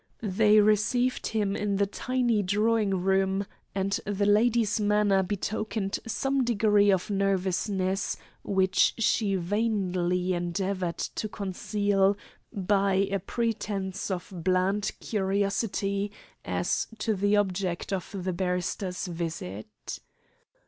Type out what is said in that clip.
They received him in the tiny drawing room, and the lady's manner betokened some degree of nervousness, which she vainly endeavoured to conceal by a pretence of bland curiosity as to the object of the barrister's visit.